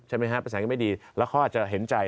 ใช่ไหมครับประสานก็ไม่ดีแล้วเขาอาจจะเห็นใจ